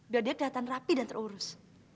udah dia kelihatan rapi dan terurus